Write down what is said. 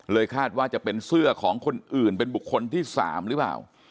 คาดว่าจะเป็นเสื้อของคนอื่นเป็นบุคคลที่๓หรือเปล่า